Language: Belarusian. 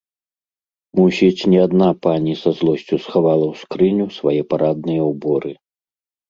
Мусіць, не адна пані са злосцю схавала ў скрыню свае парадныя ўборы.